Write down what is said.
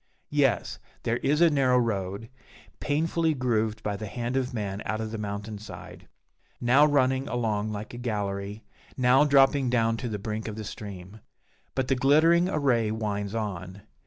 Yes, there is a narrow road, painfully grooved by the hand of man out of the mountain side, now running along like a gallery, now dropping down to the brink of the stream. But the glittering array winds on.